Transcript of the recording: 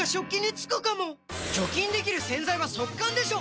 除菌できる洗剤は速乾でしょ！